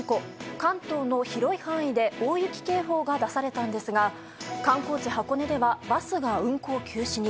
関東の広い範囲で大雪警報が出されたんですが観光地・箱根ではバスが運行休止に。